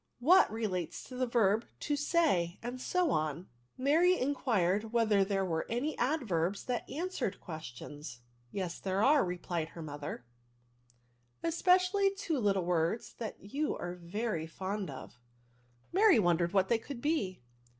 what relates to the verb to say, and so on." Mary inquired whether there were any adverbs that answered questions. " Yes there are," replied her mother. S2 ADVERBS. especiallj two little words that you are very fond of." Mary wondered what they could be.